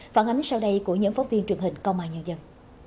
phản ánh sau đây của những phóng viên truyền hình công an nhân dân